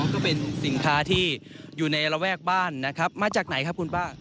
ก็เป็นสินค้าที่อยู่ในระแวกบ้านนะครับมาจากไหนครับคุณป้า